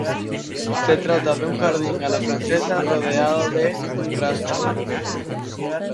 Se trata de un jardín a la francesa rodeado de rascacielos.